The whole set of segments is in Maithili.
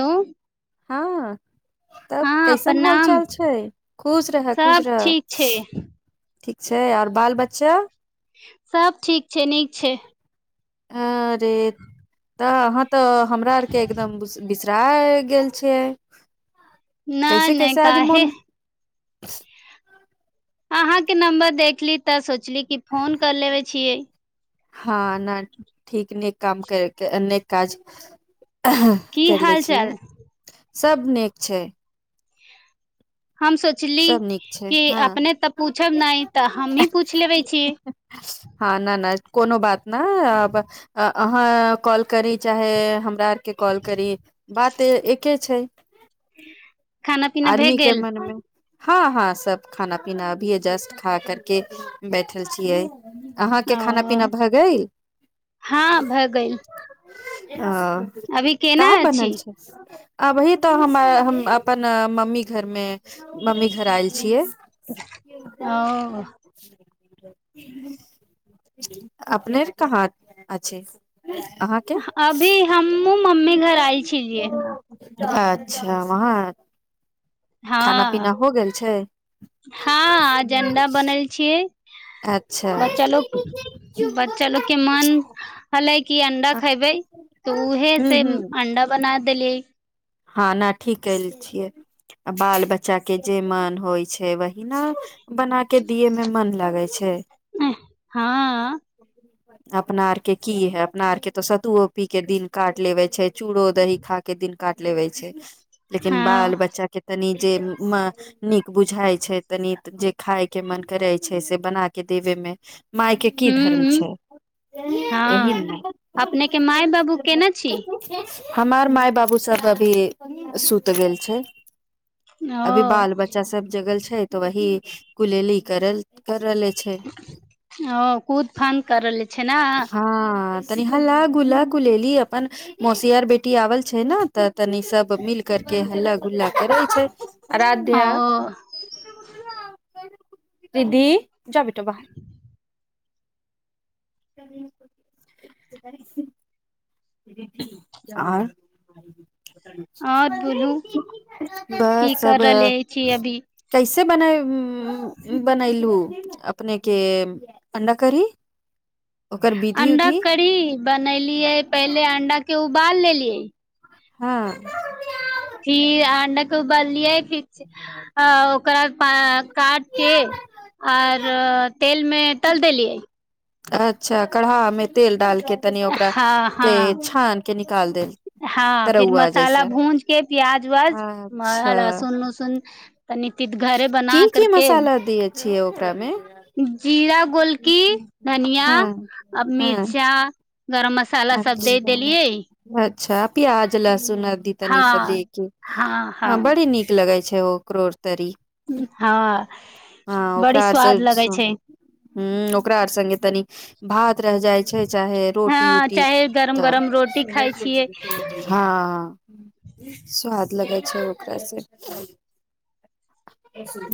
हेलो हँ तब हँ कैसन हाल प्रणाम चाल छै खुश रहऽ खुश सब रहऽ ठीक छै ठीक छै आओर बाल बच्चा सब ठीक छै नीक छै हँ ते तहन त हमरा आर के एकदम बु - बिस दाय गेल छै नै नै काहे [inaudible] अहाँ के नम्बर देखली त सोच- -ली की फोन कर लेवे छियै हाँ न ठीक नीक काम करै के नै काज की कैर लै हाल छी चाल सब नीक छै हम सोचली सब नीक छै की हँ अपने त पूछब नहि त हमहीं पूछ लेबै छी कानों बात ना अब-आ अहाँ कॉल करि चाहे हम हमरा आर के कॉल करि बात ते एके छै खाना पीना भए आदमी के गेल मन मे हाँ-हाँ सब खाना पीना अभीए जस्ट खा करके बैठल छियै अहाँ के खाना ओ पीना भ गेइल हँ भए गेल [inaudible] हाँ अभी का केना अछि बनल छै अभी त हमे-हम अपन मम्मी घर मे मम्मी घर आएल छियै ओ अपने आर कहाँ आ छै अभी हमूँ मम्मी घर आयल छलियै अच्छा वहाँ खाना हाँ पीना हँ हो गेल छै हाँ एजंडा बनल छियै अच्छा बच्चा लोक बच्चा लोक के मन छलै की अंडा खेबै त उहे ह से ह अंडा बनात देलियै हँ ना ठीक कैल छियै आ बाल बच्चा के जे मन होइ छै वही की ना बनाके दियए मे मन लगै छै हँ अपना आर के की है अपना आर के त सतुओ पी के दिन काट लेबे छै चूड़ो दही खा के दिन काट लेबै छै लेकिन हँ बाल बच्चा के तनि जे मऽ नीक बुझाइ छै तनीत जे खाइ के मन करै छै से बना के देबे मे माय के की धर्म हूँ छै यही हँ ने अपनेके माय बाबू केना छी हमर माय बाबू सब अभी सूत गेल छै अभी ओ बाल बच्चा सब जगल छै तऽ वही कुलेली करल करले छै अ कूद फान करऽले छै न हँ तनि हल्ला गुला गुलेली अपन मौसीआर बेटी आवल छै न तऽ तनी सब मिल कर के हल्ला गुल्ला करै छै आराध्या हंँ-ओ दीदी जा बेटा बाहर [unintelligible] आर आओर बोलू - की बस कर अब रहले छी अभी कैसे बनाएब हूँ हूँ बनैलू अपनेके अण्डा करी ओकर विधि अंडा उधि करी बनैलियै पहिले अंडाके तऽ उबाल लेलियै हँ फिर अंडा के उबालियै फिर आ ओकरा [unintelligible] काट के आओर तेल मे तल देलियै अच्छा कढ़ामे तेल डाल के तनि ओकरा हँ के हँ छानके हँ फिर मसाला भूंजके प्याज व्याज अच्छा लहसुन उसुन तनि घरे की बना की करके मसाला दियै छियै ओकरामे जीरा गोलकी धनिया हँ अ हँ मिर्चा गरम मसाला सब अच्छा दे देलियै अच्छा प्याज लह- सुनदी तनि हँ स देके हँ बड़ी नीक लगे छै ओ [unintelligible] हँ बड़ी स्वाद लगै छै हूँ ओकरा आर सङ्गे तनि भात जाइ छै चाहे रोट टी हँ उटी चाहे गरम तऽ गरम रोटी खाइ छियै हँ स्वाद लगै छै ओकरा आर से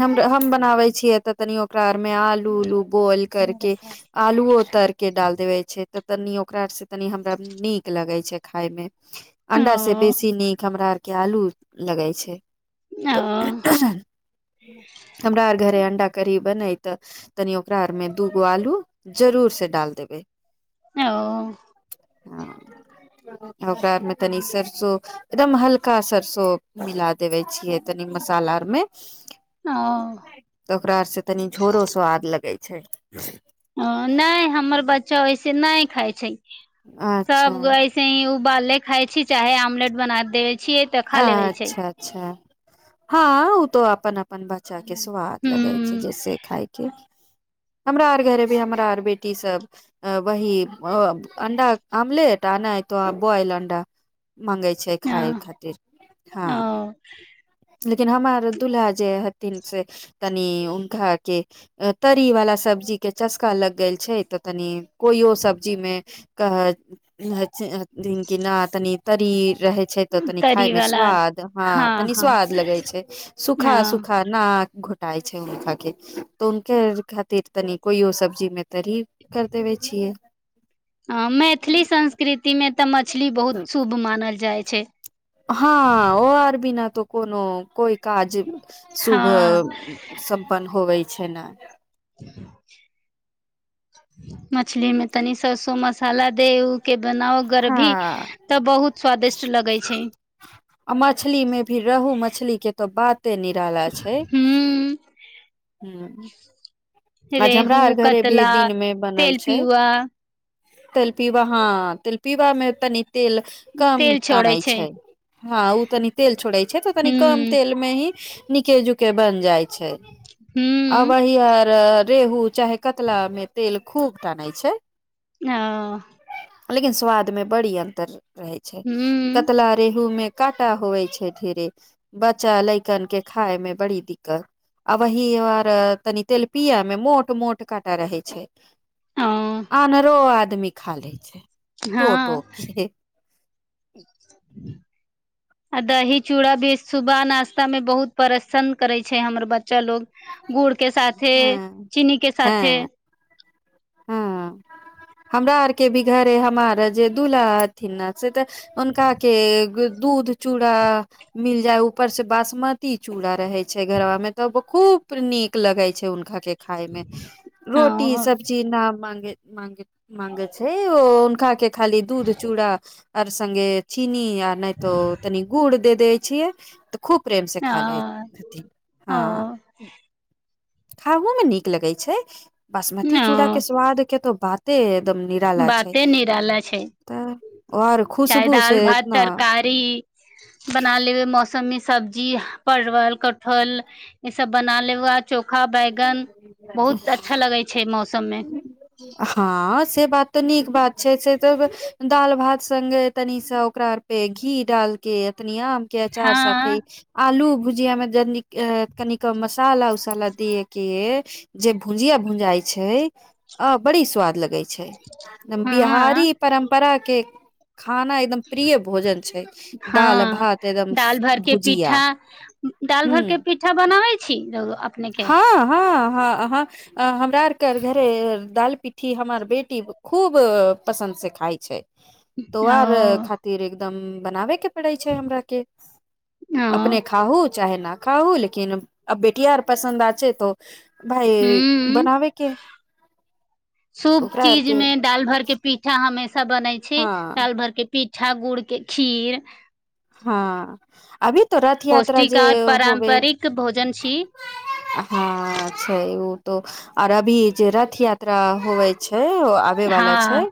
हम-हम बनाबै छियै तऽ तनि ओकरा आर मे आलू उलू बोयल करके आलुओ तर के डाल देबे छै त तनीयो ओकरासँ तनि हमरा नीक लगै छै खाइमे अंडा से ह बेसी नीक हमरा आर के आलू लगै छै ओ तऽ हमरा आर घरे अंडा कढ़ी बनै तऽ तनि ओकरा आरमे दू गो आलू जरूर से डाल देबै ओ हँ ओकरा आरमे तनी सरसो एकदम हल्का सरिसों मिला देबै छियै तनि मसाला आरमे ओ त ओकरा आर से तनी झोरो स्वाद लगै छै अ ने हमारा बच्चा वैसे नै खाइ छै अच्छा तब ऐसे हीं उ उबालले खाइ छी चाहे आमलेट बना देब छियै त खा लेबै छै हाँ उ तो अपन अपन बच्चा के स्वाद लगै से ह जैसे खाइके हमरा आर घर भी हमरा आर बेटी सब वही अ -आमलेटआओर नै त बॉयल आंडा मांगै छै खाइ खातिर हँ ओ [inaudible] लेकिन हमरा आर दूलहा आर जे हथिनी से तनि हुनका आरके तरि वाला सब्जी के चस्का लग गैल छै तनि कोईयो सब्जी मे कहैत हैत से हथिन की ना तनि तरीर रहैय छै ते तनिक खाई तरी मे वाला स्वाद हाँ हँ तनि हँ स्वाद लगै छै सूखा ह सूखा ना - घोंटाय छै हुनका के त हुनके आर खातिर कोईयो सब्जी मे तरी कर देबे छियै आ मैथिली संस्कृती मे [unintelligible] मछली बहुत शुभ मानल जाएत छै हाँ ओआर बिना तो कोनो कोई काज हँ सुबह संपन्न होबै छै न मछली में तनी सरसों मसाला दे उके बनाओ गरेभी हँ त बहुत स्वादिष्ट लगै छै मछली मे भी रउहू मछली के तो बात ते निराला छै ह आज हमरा रउहू, आर घरे भी कत्ला दिन मे बनल छै तेलपियुआ तेलपिबा हाँ तेलपिबा में तनी तेल कम तेल छोड़ै टानै छै हाँ उ तनी तेल छोड़े छै तनी कम हूँ तेल मे हीं नीके जुके बन जाइ छै हूँ अबे ही आर आ रउहू चाहे कत्ला मे तेल खूब ताने छै हाँ लेकिन स्वाद मे बढ़ि अंतर रहै छै हूँ कत्तला रेउहू मे कतह होबै छै धीरे बच्चा लड़कन के खाई मे बड़ी दिक्क़त अबहीं आर तनि तेल बीया मे मोट मोट काँटा रहै छै हँ अहनरो आदमी खा लै छै टो टो हँ के [inaudible] आ दही चूड़ा भी सुबह नाश्ता मे बहुत प्रसन्न करैय छै हमर ब- -च्चा लोग गुड के साथे हँ चीनी के साथे हाँ हमरा आर के भी घरे हमर जे दूल्हा हथिन न उनका के दूध चूड़ा मिल जाए ऊपर सँ बासमती चूड़ा रहै छै घरबा मे तऽ खूब नीक लगै छै उनका के खाइ मे रोटी हँ सब ना मांगे मांगे मांगै छे ओ का के खाली दूध चूड़ा अर संगे चीनी या नै तो तनि गुड दे दे छियै त खूब प्रेम सँ खा लेत हँ छथिन ओ हाँ खाहू मे नीक लगै छै बासमती चूड़ा के ओ स्वाद के तो बाते एकदम निराला छै बाते निराला छै तऽ और चाहे खुशबू दाल से भात इतना तरकारी बनालेबे मौसम मे सब्जी परवल कटहल ए सब बना लेबे अ चो - -खा बैगन बहुत अच्छा लगै छै मौसम मे हँ से बात तऽ नीक बात छै से तऽ दालि भात संगे तनि सँ ओकरा पर घी डालि के तनि आम के अचार हँ साथे आलू भुजिया मे जनीक ए कनिक मसाला उसाला दियै के जे भुजिया भूजाई छै अऽ बड़ी स्वाद लगै छै एकदम बिहारी परंपरा के खाना एकदम प्रिय भोजन छै दाल हाँ भात एकदम दालि भरि कऽ पीठा भुजिया दालि भरि कऽ पीठा बनबै छी रौउआ हाँ हाँ हाँ हँ हम हमरा आर के घरे दाल पीठी हमर बेटी खूब पसंद से खाइ छै तो ओ आ खातिर एक- बनाबै के परै छै हमरा के ओ अपने खांहू चाहे न खाउ लेकिन अब बेटी आर पसन्द आ छै तो भाइ हूँ बनाबै के शुभ ओकरा चीज आरके मे दाल भर के पीठा हमे बनै छै हँ दाल भरके पीठा गुड़ के खीर हँ अभी त रथ यात्रा पौष्टिक जे आर होबे पारम्परिक भोजन छी हँ छै ओ तो आर अभी जे रथ यात्रा होबै छै उ आबे वला छै हँ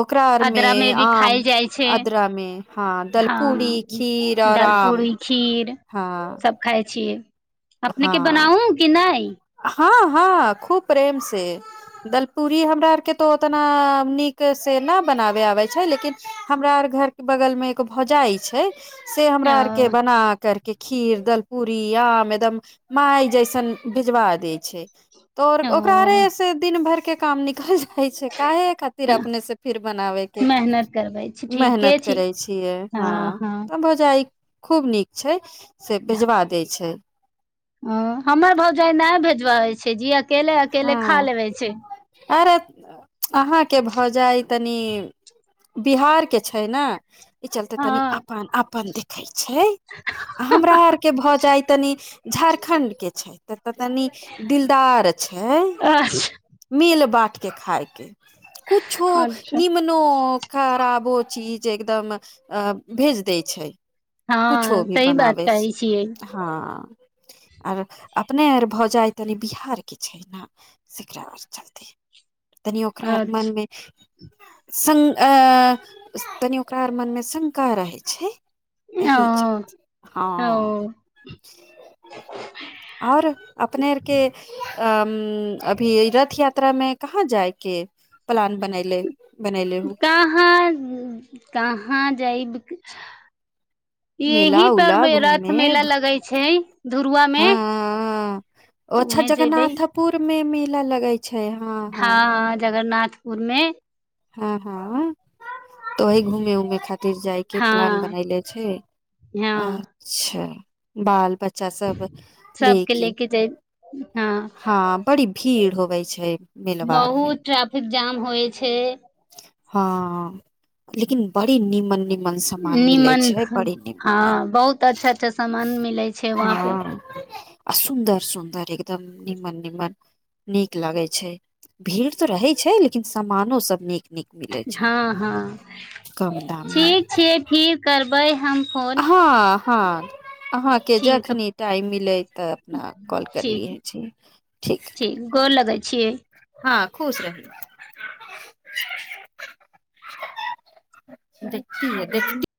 ओकरा आर मे आद्रा भी आम खायल जाइ छै आद्रा मे हाँ दल- हँ दलपूरी खीर हँ सब खाइ छियै अपने के हँ बनाउ की नहि हँ हँ खूब प्रेम से दलपूड़ी हमरा आर के तो उतना नीक से न बनाबे आबे छै लेकिन हमरा आर घर के बगल मे एक भौजाइ छै से हमरा ओ आर के बना कर- -के खीर दलपूरी आम एकदम माय जैसन भिजबा दै छै त आओर ओकरा आर से दिन भरके काम निकल हइ छै काहे खातिर ओ अपने से फिर बनाबै के मेहनत करबै छी ठीके मेहनत छी करै छियै हँ भौजाई खूब नीक छै से भेजवा दै छै हहाँ हमर भौजाइ नहि भेजबाबै छै जिए- हँ अरे अहाँके भौजाइ तनि बिहारके छै ने ई चलते हँ तनी अपन अपन द- [unintelligible] छै आ हमरा आर के भौजाय तनि झारखण्ड के छै तऽ तनि दिलदार छै अच्छा मिल बाँटके खाइके कुछो अच्छा निम्नौ खराबो चीज एकदम अ भेज देै छै हँ कुछो भी सही बात बनाबै कहै छै छियै हँ आर अपने आर भौजाइ तनि बिहार के छै न से एकरा आओर चलते तनि ओकरा आर मन अच्छा मे शं-ए तनि ओकरा आर मन मे शंका रहै छै एहि ओ चलते ओ हाँ आओर अपने आरके एमम अभी रथ यात्रा मे कहाँ जाइके प्लान बनैले बनैले उँ कहाँ जाइब मेला यहीं पर उला रथ घूमे मेला लगै छै धुरुआ मे हाँ-अ अच्छा उहें जगन्नाथपुर मे मेला लगै छै हँ हाँ हाँ जगन्नाथ पुर मे हाँ हाँ तऽ वही घूमे उमे खातिर जाइ के हँ प्लान बनैले छै हँ अच्छा बाल ब- -च्चा सब सबके लेके ले के जे हँ हाँ बड़ी भीड़ होबै छै मेलवा आर मे बहुत ट्रैफिक जाम होइ छै हाँ लेकिन बड़ी नीमन नीमन हाँ बहुत अच्छा अच्छा समान मिलै छै वहाँ पे सुंदर सुंदर एकदम नीमन नीमन नीक लागे छै भीड़ तऽ रहे छै लेकिन सामानों सब नीक नीक मिले छै हाँ हाँ कम दाम मे ठीक छै फिर करबै हम फोन हाँ हाँ अहाँ के ठीक जखनी टाइम मिलै तऽ अपना कॉल ठीक करियै छी ठीक गोर लगै छियै हाँ खुश रहू [unintelligible]